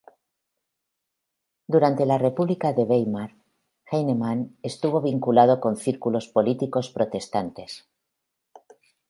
Durante la República de Weimar Heinemann estuvo vinculado con círculos políticos protestantes.